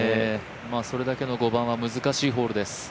それだけ５番は難しいホールです。